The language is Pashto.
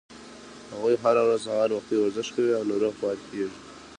هغوي هره ورځ سهار وخته ورزش کوي او روغ پاتې کیږي